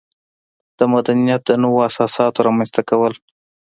د مدنیت د نویو اساساتو رامنځته کول.